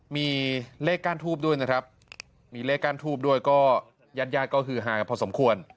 มีเลขก้านทูบด้วยนะครับมีเลขก้านทูบด้วยก็ญาติญาติก็คือฮากันพอสมควร